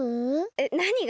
えっなにが？